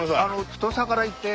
太さからいって。